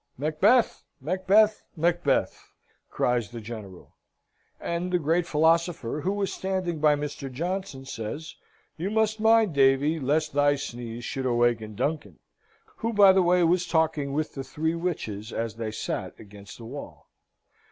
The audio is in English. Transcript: "Macbeth, Macbeth, Macbeth!" cries the General. "And the great philosopher who was standing by Mr. Johnson, says, 'You must mind, Davy, lest thy sneeze should awaken Duncan!' who, by the way, was talking with the three witches as they sat against the wall."